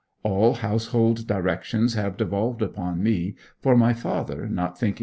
All household directions have devolved upon me, for my father, not thinking M.